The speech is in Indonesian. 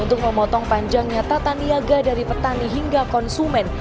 untuk memotong panjangnya tata niaga dari petani hingga konsumen